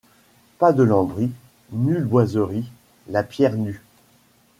Pas de lambris, nulle boiserie, la pierre nue.